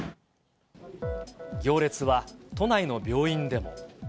行列は都内の病院でも。